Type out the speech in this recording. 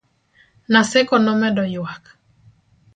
Naseko nomedo yuak